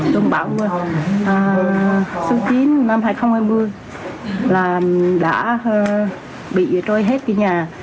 tôi bảo quân số chín năm hai nghìn hai mươi là đã bị trôi hết cái nhà